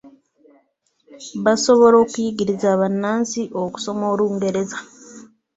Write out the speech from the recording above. Baasobola okuyigiriza Bannansi okusoma Olungereza.